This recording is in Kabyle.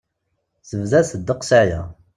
Tebda-t ddeg-s aya.